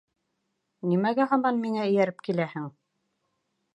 Нимәгә һаман миңә эйәреп киләһең?